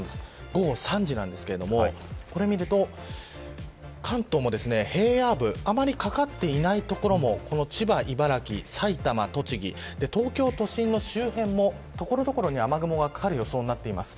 午後３時なんですがこれを見ると関東も平野部あまりかかっていない所も千葉、茨城、埼玉、栃木東京都心の周辺も所々に雨雲がかかる予想になっています。